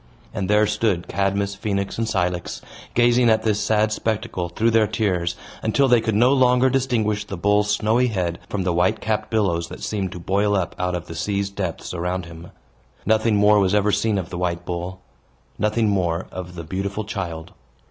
And there stood Cadmus, Phoenix, and Cilix, gazing at this sad spectacle, through their tears, until they could no longer distinguish the bull's snowy head from the white capped billows that seemed to boil up out of the sea's depths around him. Nothing more was ever seen of the white bull nothing more of the beautiful child.